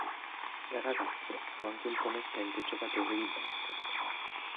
Da ragazzo fu anche un promettente giocatore di basket.